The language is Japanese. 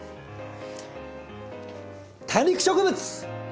多肉植物。